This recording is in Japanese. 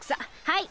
はい。